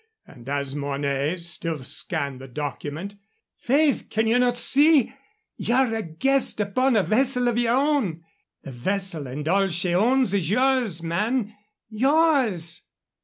And as Mornay still scanned the document: "Faith, can ye not see? ye're a guest upon a vessel of your own. The vessel and all she owns is yours, man yours!"